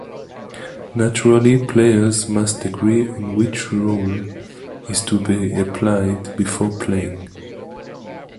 Naturally, players must agree on which rule is to be applied before playing.